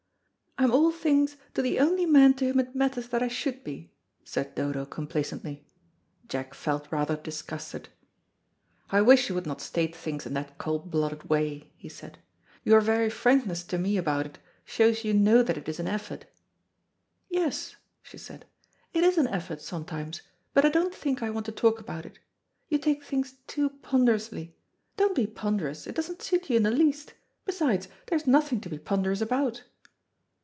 "I'm all things to the only man to whom it matters that I should be," said Dodo complacently. Jack felt rather disgusted. "I wish you would not state things in that cold blooded way," he said. "Your very frankness to me about it shows you know that it is an effort." "Yes," she said, "it is an effort sometimes, but I don't think I want to talk about it. You take things too ponderously. Don't be ponderous; it doesn't suit you in the least. Besides, there is nothing to be ponderous about."